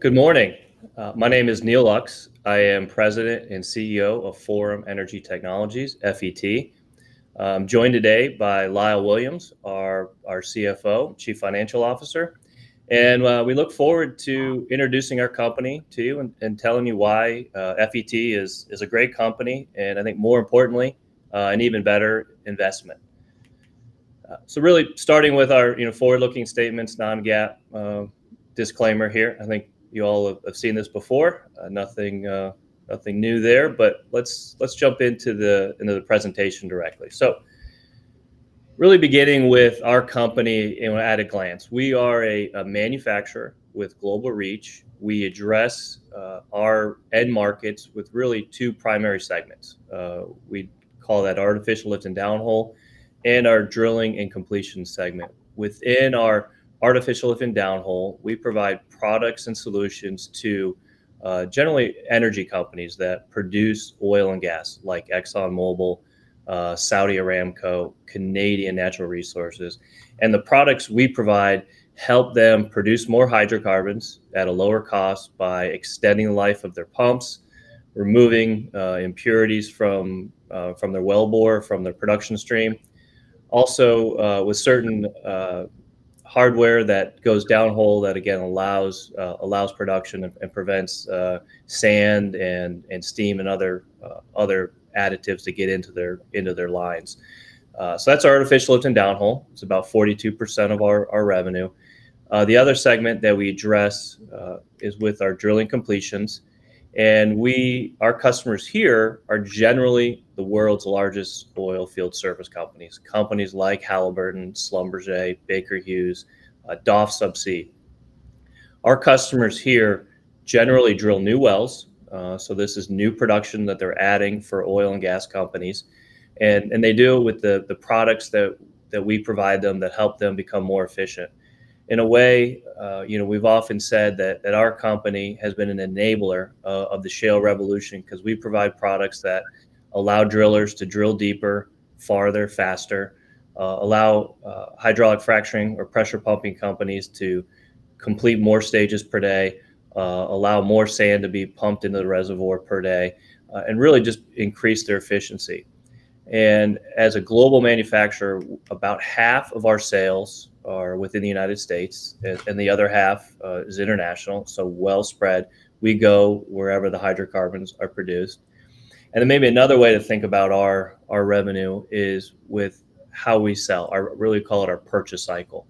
Good morning. My name is Neal Lux. I am President and CEO of Forum Energy Technologies, FET. I'm joined today by Lyle Williams, our CFO, Chief Financial Officer, and we look forward to introducing our company to you and telling you why FET is a great company and, I think, more importantly, an even better investment, so really starting with our forward-looking statements, non-GAAP disclaimer here. I think you all have seen this before. Nothing new there, but let's jump into the presentation directly, so really beginning with our company at a glance, we are a manufacturer with global reach. We address our end markets with really two primary segments. We call that artificial lift and downhole and our drilling and completion segment. Within our artificial lift and downhole, we provide products and solutions to generally energy companies that produce oil and gas, like ExxonMobil, Saudi Aramco, Canadian Natural Resources. And the products we provide help them produce more hydrocarbons at a lower cost by extending the life of their pumps, removing impurities from their wellbore, from their production stream. Also, with certain hardware that goes downhole that, again, allows production and prevents sand and steam and other additives to get into their lines. So that's our artificial lift and downhole. It's about 42% of our revenue. The other segment that we address is with our drilling completions. And our customers here are generally the world's largest oilfield service companies, companies like Halliburton, Schlumberger, Baker Hughes, DOF Subsea. Our customers here generally drill new wells. So this is new production that they're adding for oil and gas companies. And they do it with the products that we provide them that help them become more efficient. In a way, we've often said that our company has been an enabler of the shale revolution because we provide products that allow drillers to drill deeper, farther, faster, allow hydraulic fracturing or pressure pumping companies to complete more stages per day, allow more sand to be pumped into the reservoir per day, and really just increase their efficiency. And as a global manufacturer, about half of our sales are within the United States, and the other half is international, so well spread. We go wherever the hydrocarbons are produced. And maybe another way to think about our revenue is with how we sell, or really call it our purchase cycle.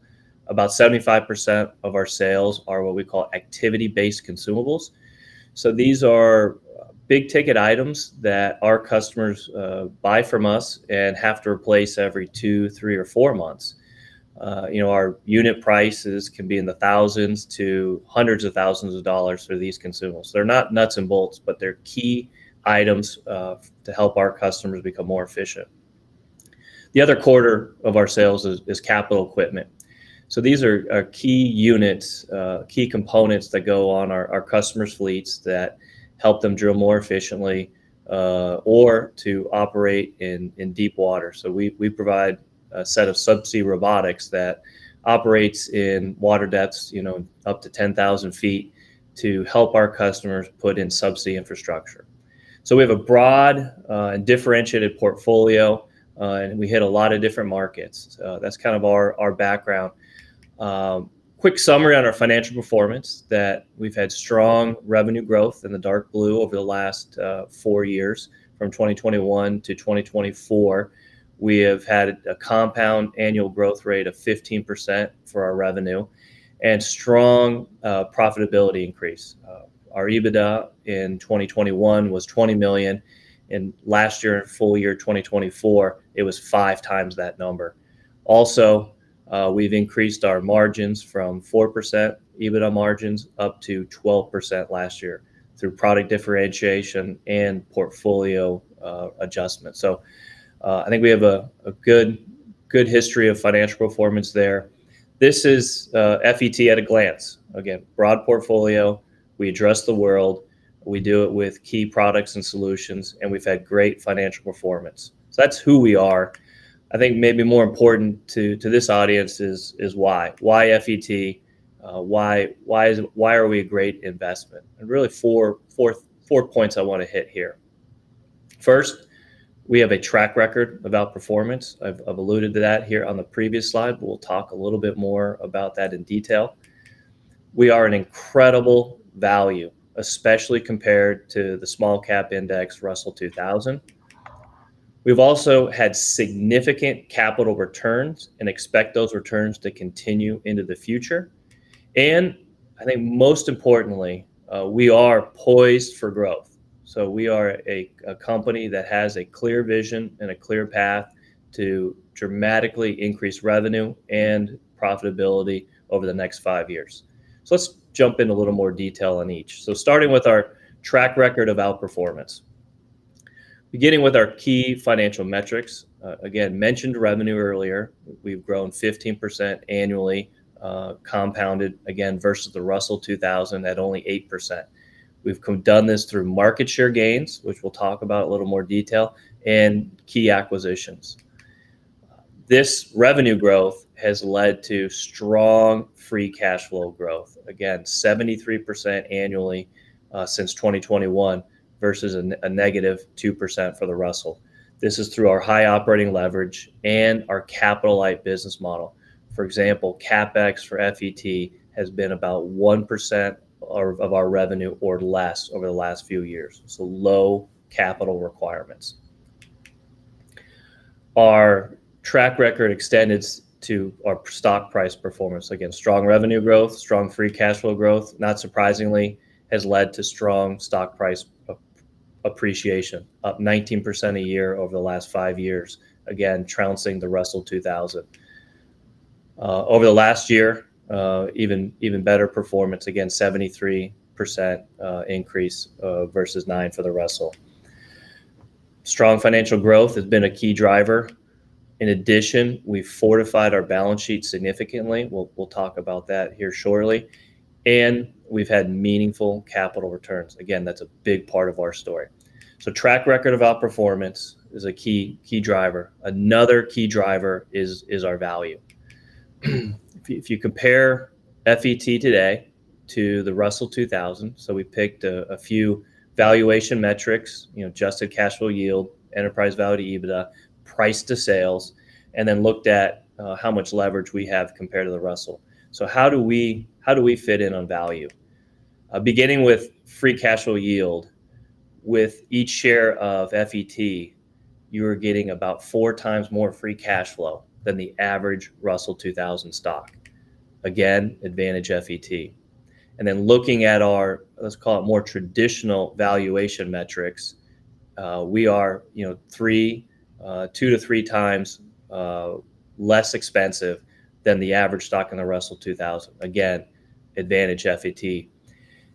About 75% of our sales are what we call activity-based consumables. So these are big-ticket items that our customers buy from us and have to replace every two, three, or four months. Our unit prices can be in the thousands to hundreds of thousands of dollars for these consumables. They're not nuts and bolts, but they're key items to help our customers become more efficient. The other quarter of our sales is capital equipment. So these are key units, key components that go on our customers' fleets that help them drill more efficiently or to operate in deep water. So we provide a set of subsea robotics that operates in water depths up to 10,000 feet to help our customers put in subsea infrastructure. So we have a broad and differentiated portfolio, and we hit a lot of different markets. That's kind of our background. Quick summary on our financial performance: that we've had strong revenue growth in the dark blue over the last four years. From 2021 to 2024, we have had a compound annual growth rate of 15% for our revenue and strong profitability increase. Our EBITDA in 2021 was $20 million, and last year, full year 2024, it was five times that number. Also, we've increased our margins from 4% EBITDA margins up to 12% last year through product differentiation and portfolio adjustment, so I think we have a good history of financial performance there. This is FET at a glance. Again, broad portfolio. We address the world. We do it with key products and solutions, and we've had great financial performance, so that's who we are. I think maybe more important to this audience is why. Why FET? Why are we a great investment? And really four points I want to hit here. First, we have a track record of outperformance. I've alluded to that here on the previous slide, but we'll talk a little bit more about that in detail. We are an incredible value, especially compared to the small cap index Russell 2000. We've also had significant capital returns and expect those returns to continue into the future. And I think most importantly, we are poised for growth. So we are a company that has a clear vision and a clear path to dramatically increase revenue and profitability over the next five years. So let's jump into a little more detail on each. So starting with our track record of outperformance, beginning with our key financial metrics. Again, mentioned revenue earlier. We've grown 15% annually, compounded, again, versus the Russell 2000 at only 8%. We've done this through market share gains, which we'll talk about in a little more detail, and key acquisitions. This revenue growth has led to strong free cash flow growth, again, 73% annually since 2021 versus a -2% for the Russell. This is through our high operating leverage and our capital-light business model. For example, CapEx for FET has been about 1% of our revenue or less over the last few years. So low capital requirements. Our track record extends to our stock price performance. Again, strong revenue growth, strong free cash flow growth, not surprisingly, has led to strong stock price appreciation, up 19% a year over the last five years, again, trouncing the Russell 2000. Over the last year, even better performance, again, 73% increase versus 9% for the Russell. Strong financial growth has been a key driver. In addition, we've fortified our balance sheet significantly. We'll talk about that here shortly. And we've had meaningful capital returns. Again, that's a big part of our story. So track record of outperformance is a key driver. Another key driver is our value. If you compare FET today to the Russell 2000, so we picked a few valuation metrics, adjusted cash flow yield, enterprise value to EBITDA, price to sales, and then looked at how much leverage we have compared to the Russell. So how do we fit in on value? Beginning with free cash flow yield, with each share of FET, you're getting about four times more free cash flow than the average Russell 2000 stock. Again, advantage FET. And then looking at our, let's call it more traditional valuation metrics, we are two to three times less expensive than the average stock in the Russell 2000. Again, advantage FET.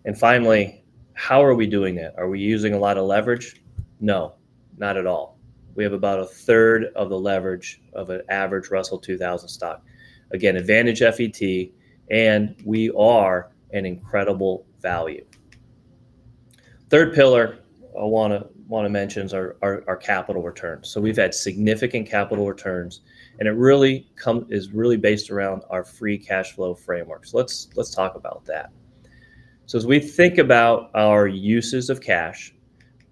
And finally, how are we doing it? Are we using a lot of leverage? No, not at all. We have about a third of the leverage of an average Russell 2000 stock. Again, advantage FET, and we are an incredible value. Third pillar I want to mention is our capital returns. So we've had significant capital returns, and it really is based around our free cash flow framework. So let's talk about that. So as we think about our uses of cash,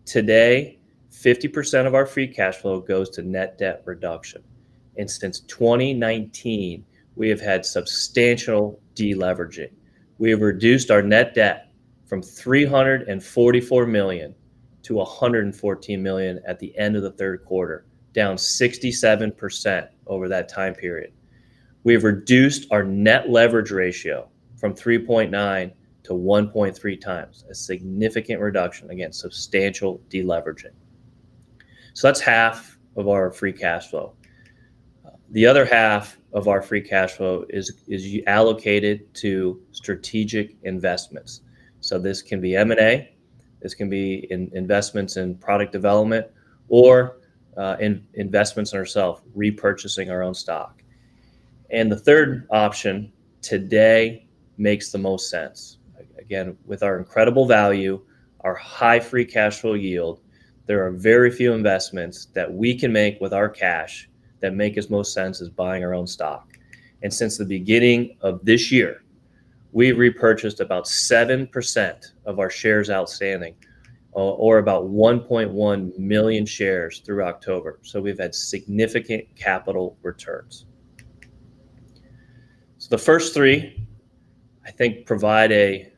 today, 50% of our free cash flow goes to net debt reduction. And since 2019, we have had substantial deleveraging. We have reduced our net debt from $344 million to $114 million at the end of the third quarter, down 67% over that time period. We have reduced our net leverage ratio from 3.9 to 1.3 times, a significant reduction, again, substantial deleveraging. So that's half of our free cash flow. The other half of our free cash flow is allocated to strategic investments. So this can be M&A, this can be investments in product development, or investments in ourselves, repurchasing our own stock. And the third option today makes the most sense. Again, with our incredible value, our high free cash flow yield, there are very few investments that we can make with our cash that make the most sense as buying our own stock. And since the beginning of this year, we've repurchased about 7% of our shares outstanding, or about 1.1 million shares through October. So we've had significant capital returns. So the first three, I think, provide a,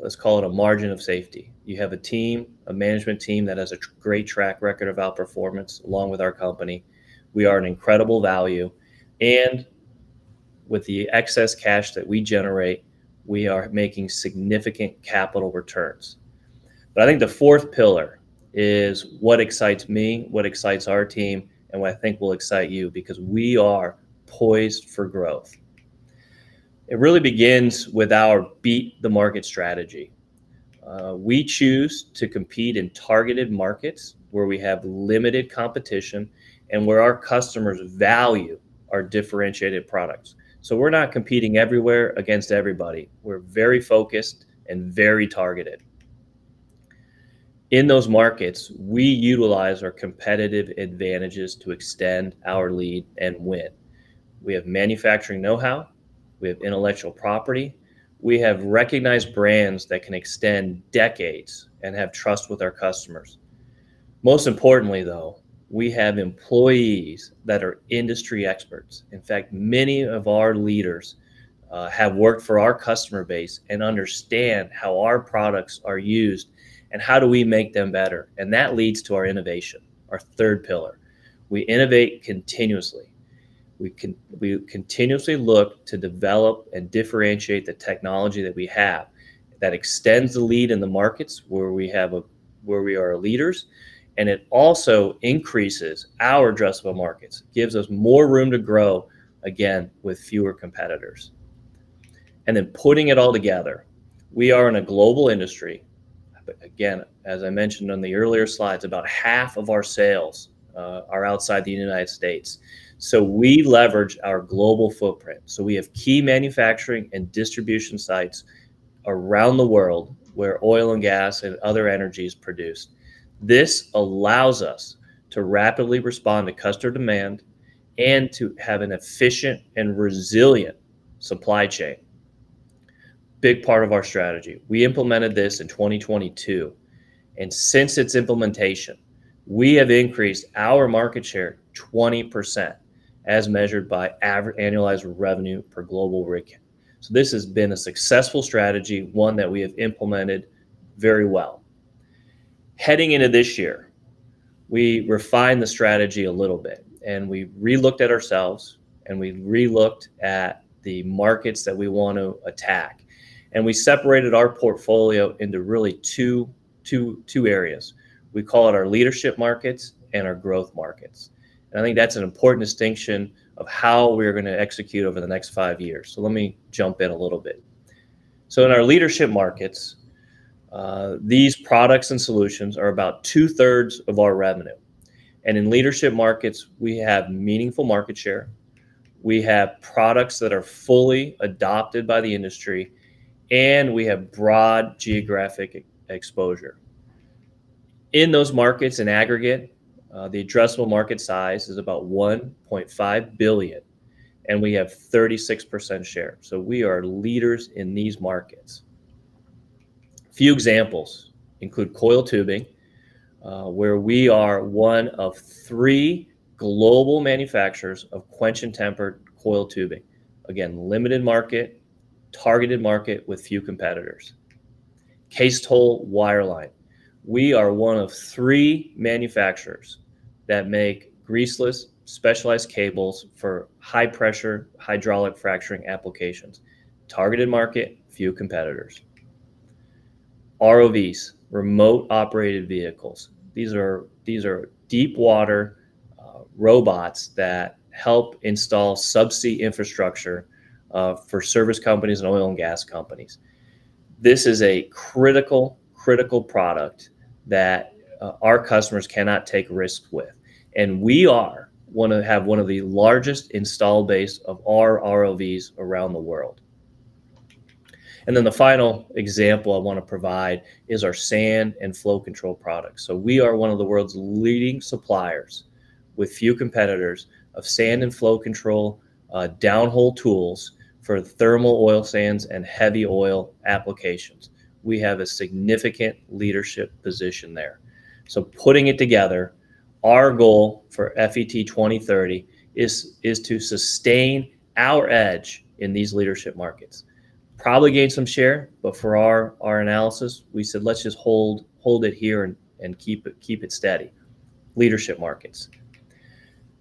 let's call it a margin of safety. You have a team, a management team that has a great track record of outperformance along with our company. We are an incredible value. With the excess cash that we generate, we are making significant capital returns. I think the fourth pillar is what excites me, what excites our team, and what I think will excite you because we are poised for growth. It really begins with our beat the market strategy. We choose to compete in targeted markets where we have limited competition and where our customers value our differentiated products. We're not competing everywhere against everybody. We're very focused and very targeted. In those markets, we utilize our competitive advantages to extend our lead and win. We have manufacturing know-how. We have intellectual property. We have recognized brands that can extend decades and have trust with our customers. Most importantly, though, we have employees that are industry experts. In fact, many of our leaders have worked for our customer base and understand how our products are used and how do we make them better. And that leads to our innovation, our third pillar. We innovate continuously. We continuously look to develop and differentiate the technology that we have that extends the lead in the markets where we are leaders. And it also increases our addressable markets, gives us more room to grow, again, with fewer competitors. And then putting it all together, we are in a global industry. Again, as I mentioned on the earlier slides, about half of our sales are outside the United States. So we leverage our global footprint. So we have key manufacturing and distribution sites around the world where oil and gas and other energies are produced. This allows us to rapidly respond to customer demand and to have an efficient and resilient supply chain. Big part of our strategy. We implemented this in 2022, and since its implementation, we have increased our market share 20% as measured by average annualized revenue per global rate, this has been a successful strategy, one that we have implemented very well. Heading into this year, we refined the strategy a little bit, and we re-looked at ourselves, and we re-looked at the markets that we want to attack, and we separated our portfolio into really two areas. We call it our leadership markets and our growth markets, and I think that's an important distinction of how we're going to execute over the next five years, so let me jump in a litquentle bit, so in our leadership markets, these products and solutions are about two-thirds of our revenue. In leadership markets, we have meaningful market share. We have products that are fully adopted by the industry, and we have broad geographic exposure. In those markets in aggregate, the addressable market size is about $1.5 billion, and we have 36% share. So we are leaders in these markets. Few examples include coiled tubing, where we are one of three global manufacturers of quenched and tempered coiled tubing. Again, limited market, targeted market with few competitors. Kestrel Wireline. We are one of three manufacturers that make greaseless specialized cables for high-pressure hydraulic fracturing applications. Targeted market, few competitors. ROVs, remote operated vehicles. These are deep-water robots that help install subsea infrastructure for service companies and oil and gas companies. This is a critical, critical product that our customers cannot take risks with. And we are one of the largest installed base of our ROVs around the world. And then the final example I want to provide is our sand and flow control products. So we are one of the world's leading suppliers with few competitors of sand and flow control downhole tools for thermal oil sands and heavy oil applications. We have a significant leadership position there. So putting it together, our goal for FET 2030 is to sustain our edge in these leadership markets. Probably gain some share, but for our analysis, we said, "Let's just hold, hold it here and keep it steady." Leadership markets.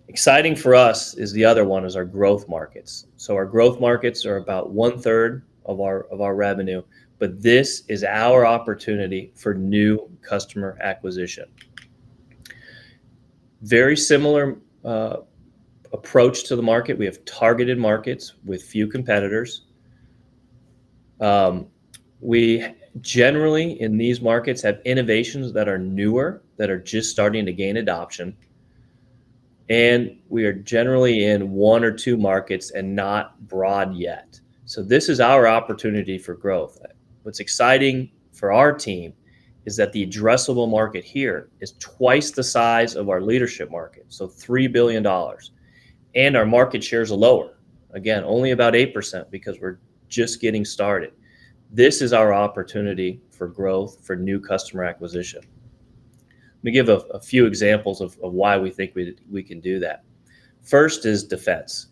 Exciting for us is the other one is our growth markets. So our growth markets are about one-third of our revenue, but this is our opportunity for new customer acquisition. Very similar approach to the market. We have targeted markets with few competitors. We generally, in these markets, have innovations that are newer, that are just starting to gain adoption. We are generally in one or two markets and not broad yet. This is our opportunity for growth. What's exciting for our team is that the addressable market here is twice the size of our leadership market, so $3 billion. Our market shares are lower, again, only about 8% because we're just getting started. This is our opportunity for growth, for new customer acquisition. Let me give a few examples of why we think we can do that. First is defense.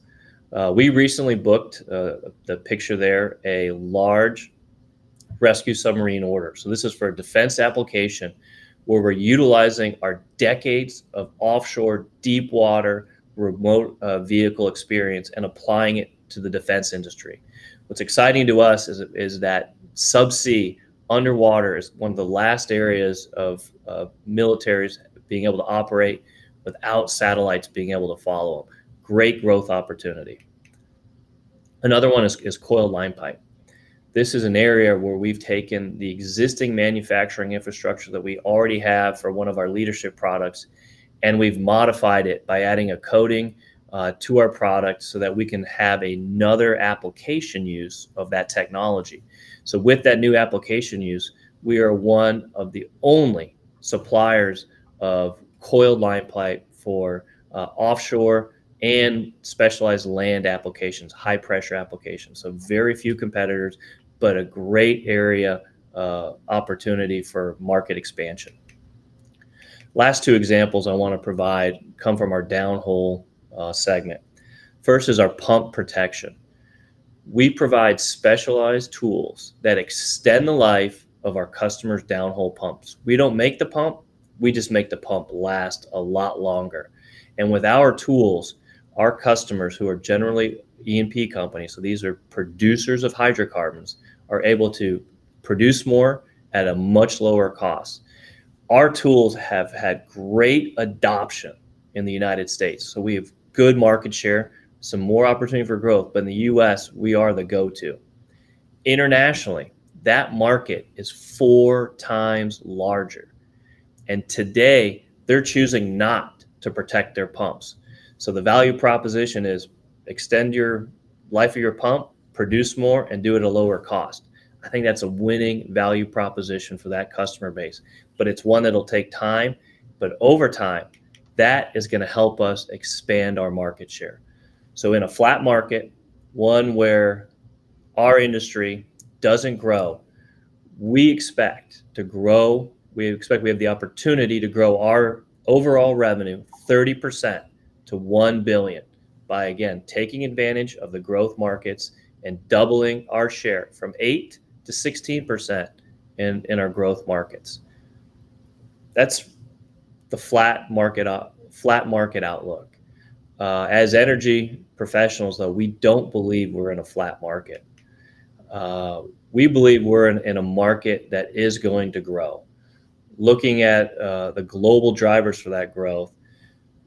We recently booked, the picture there, a large rescue submarine order. This is for a defense application where we're utilizing our decades of offshore deep-water remote vehicle experience and applying it to the defense industry. What's exciting to us is that subsea underwater is one of the last areas of militaries being able to operate without satellites being able to follow them. Great growth opportunity. Another one is coiled line pipe. This is an area where we've taken the existing manufacturing infrastructure that we already have for one of our leadership products, and we've modified it by adding a coating to our product so that we can have another application use of that technology. So with that new application use, we are one of the only suppliers of coiled line pipe for offshore and specialized land applications, high-pressure applications. So very few competitors, but a great area opportunity for market expansion. Last two examples I want to provide come from our downhole segment. First is our pump protection. We provide specialized tools that extend the life of our customers' downhole pumps. We don't make the pump. We just make the pump last a lot longer. And with our tools, our customers, who are generally E&P companies, so these are producers of hydrocarbons, are able to produce more at a much lower cost. Our tools have had great adoption in the United States. So we have good market share, some more opportunity for growth, but in the U.S., we are the go-to. Internationally, that market is four times larger. And today, they're choosing not to protect their pumps. So the value proposition is extend the life of your pump, produce more, and do it at a lower cost. I think that's a winning value proposition for that customer base. But it's one that'll take time. But over time, that is going to help us expand our market share. So in a flat market, one where our industry doesn't grow, we expect to grow, we expect we have the opportunity to grow our overall revenue 30% to $1 billion by, again, taking advantage of the growth markets and doubling our share from 8%-16% in our growth markets. That's the flat market outlook. As energy professionals, though, we don't believe we're in a flat market. We believe we're in a market that is going to grow. Looking at the global drivers for that growth,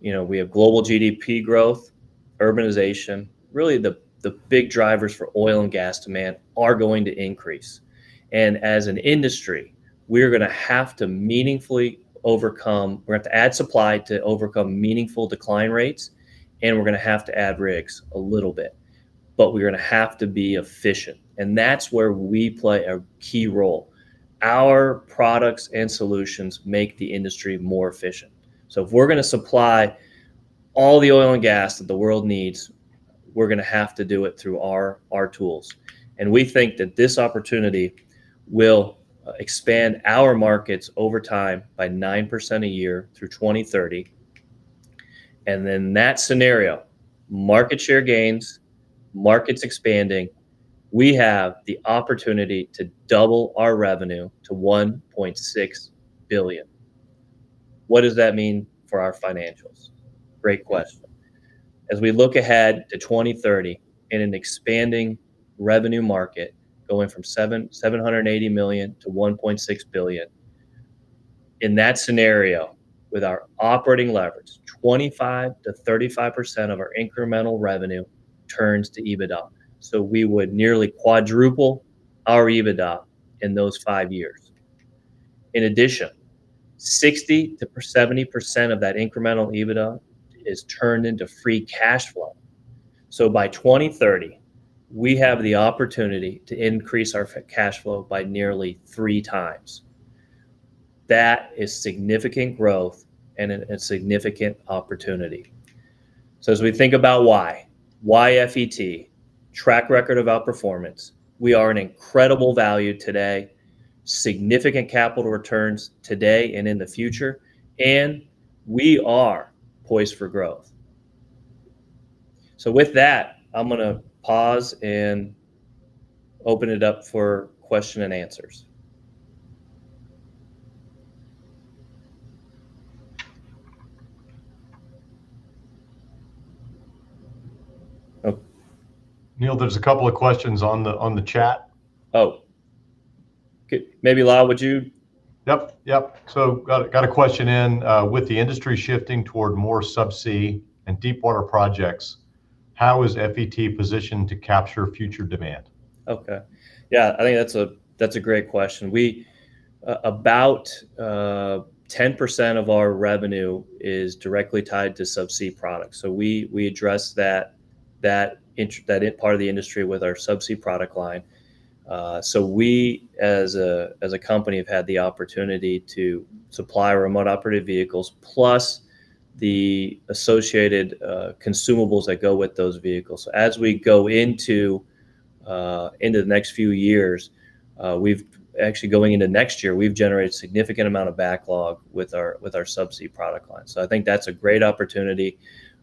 we have global GDP growth, urbanization. Really, the big drivers for oil and gas demand are going to increase, and as an industry, we're going to have to meaningfully overcome, we're going to have to add supply to overcome meaningful decline rates, and we're going to have to add rigs a little bit, but we're going to have to be efficient. And that's where we play a key role. Our products and solutions make the industry more efficient. So if we're going to supply all the oil and gas that the world needs, we're going to have to do it through our tools. And we think that this opportunity will expand our markets over time by 9% a year through 2030. And in that scenario, market share gains, markets expanding, we have the opportunity to double our revenue to $1.6 billion. What does that mean for our financials? Great question. As we look ahead to 2030 in an expanding revenue market going from $780 million to $1.6 billion, in that scenario, with our operating leverage, 25%-35% of our incremental revenue turns to EBITDA. So we would nearly quadruple our EBITDA in those five years. In addition, 60%-70% of that incremental EBITDA is turned into free cash flow. So by 2030, we have the opportunity to increase our cash flow by nearly three times. That is significant growth and a significant opportunity. So as we think about why, why FET, track record of outperformance, we are an incredible value today, significant capital returns today and in the future, and we are poised for growth. So with that, I'm going to pause and open it up for question and answers. Neal, there's a couple of questions on the chat. Maybe Lyle, would you? Yep. So got a question in. With the industry shifting toward more subsea and deep-water projects, how is FET positioned to capture future demand? Okay. Yeah. I think that's a great question. About 10% of our revenue is directly tied to subsea products. So we address that part of the industry with our subsea product line. So we, as a company, have had the opportunity to supply remote-operated vehicles plus the associated consumables that go with those vehicles. So as we go into the next few years, actually going into next year, we've generated a significant amount of backlog with our subsea product line. So I think that's a great opportunity.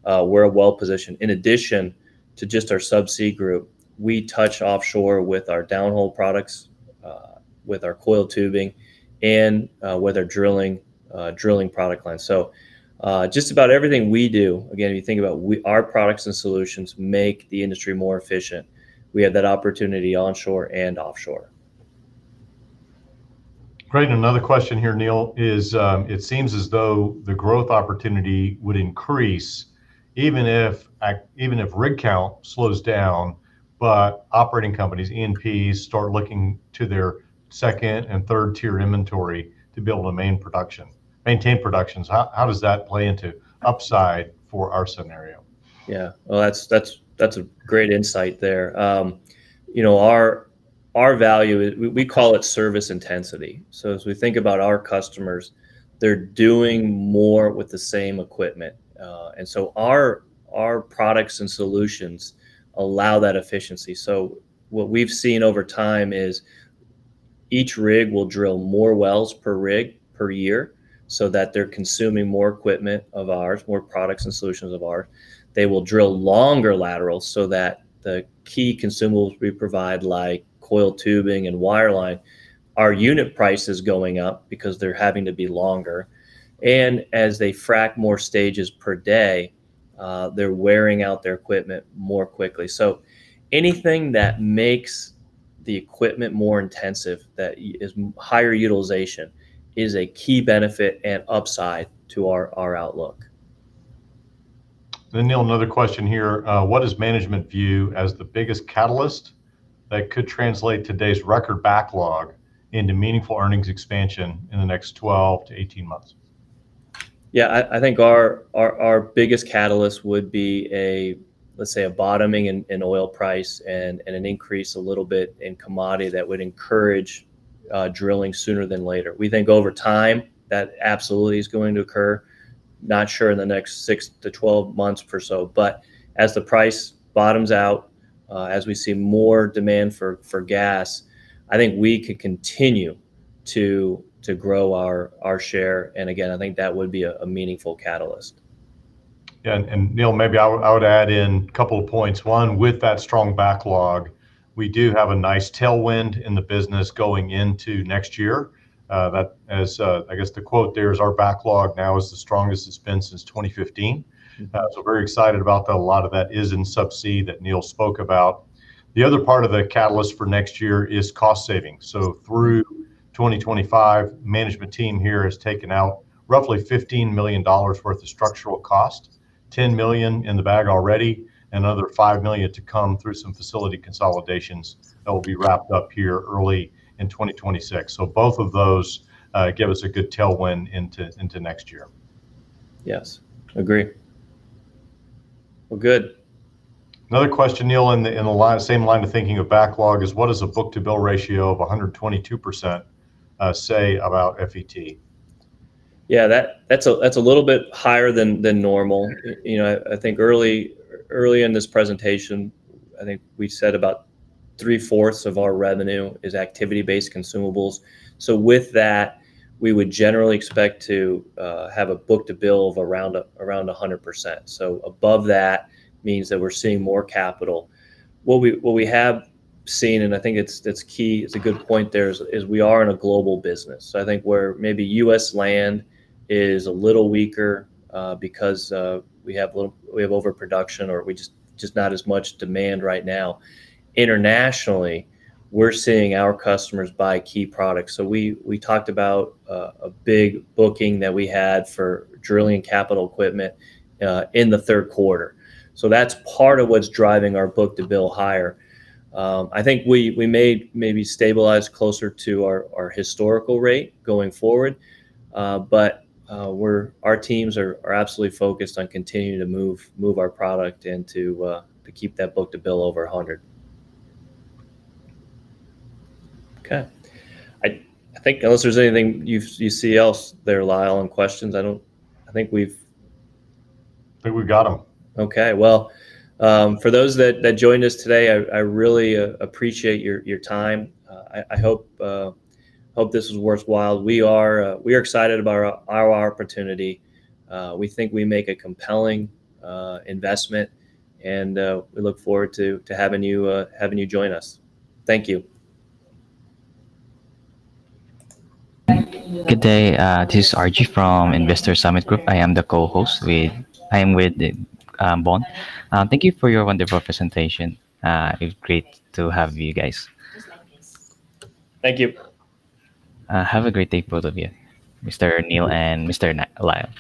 We're well-positioned. In addition to just our subsea group, we touch offshore with our downhole products, with our coiled tubing, and with our drilling product line. So just about everything we do, again, if you think about our products and solutions make the industry more efficient, we have that opportunity onshore and offshore. Great. Another question here, Neal is it's seems as though the growth opportunity would increase even if rig count slows down, but operating companies, E&Ps, start looking to their second and third-tier inventory to be able to maintain productions. How does that play into upside for our scenario? Yeah. Well, that's a great insight there. Our value, we call it service intensity. So as we think about our customers, they're doing more with the same equipment. And so our products and solutions allow that efficiency. So what we've seen over time is each rig will drill more wells per rig per year so that they're consuming more equipment of ours, more products and solutions of ours. They will drill longer laterals so that the key consumables we provide, like coiled tubing and wireline, our unit price is going up because they're having to be longer. As they frack more stages per day, they're wearing out their equipment more quickly. So anything that makes the equipment more intensive, that is higher utilization, is a key benefit and upside to our outlook. And Neal, another question here. What does management view as the biggest catalyst that could translate today's record backlog into meaningful earnings expansion in the next 12-18 months? Yeah. I think our biggest catalyst would be, let's say, a bottoming in oil price and an increase a little bit in commodity that would encourage drilling sooner than later. We think over time that absolutely is going to occur. Not sure in the next 6-12 months or so. But as the price bottoms out, as we see more demand for gas, I think we could continue to grow our share. And again, I think that would be a meaningful catalyst. Yeah. Neal, maybe I would add in a couple of points. One, with that strong backlog, we do have a nice tailwind in the business going into next year. As I guess the quote there is, "Our backlog now is the strongest it's been since 2015." So very excited about that. A lot of that is in subsea that Neal spoke about. The other part of the catalyst for next year is cost savings. So through 2025, the management team here has taken out roughly $15 million worth of structural cost, $10 million in the bag already, and another $5 million to come through some facility consolidations that will be wrapped up here early in 2026. So both of those give us a good tailwind into next year. Yes. Agree. Well, good. Another question, Neal, in the same line of thinking of backlog is, what does a book-to-bill ratio of 122% say about FET? Yeah. That's a little bit higher than normal. I think early in this presentation, I think we said about three-fourths of our revenue is activity-based consumables. So with that, we would generally expect to have a book-to-bill of around 100%. So above that means that we're seeing more capital. What we have seen, and I think that's key, it's a good point there, is we are in a global business. So I think where maybe U.S. land is a little weaker because we have overproduction or just not as much demand right now. Internationally, we're seeing our customers buy key products. So we talked about a big booking that we had for drilling and capital equipment in the third quarter. So that's part of what's driving our book-to-bill higher. I think we maybe stabilize closer to our historical rate going forward. But our teams are absolutely focused on continuing to move our product to keep that book-to-bill over 100. Okay. I think unless there's anything you see else there, Lyle, on questions, I think we've. I think we've got them. Okay. Well, for those that joined us today, I really appreciate your time. I hope this was worthwhile. We are excited about our opportunity. We think we make a compelling investment, and we look forward to having you join us. Thank you. Good day. This is Archie from Investor Summit Group. I am the co-host with Bond. Thank you for your wonderful presentation. It's great to have you guys. Thank you. Have a great day, both of you, Mr. Neal and Mr. Lyle.